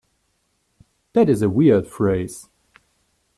That is a weird phrase.